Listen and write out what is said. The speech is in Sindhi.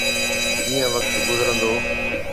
جيئن وقت گذرندو.